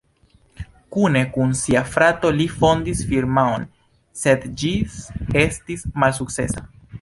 Kune kun sia frato li fondis firmaon, sed ĝis estis malsukcesa.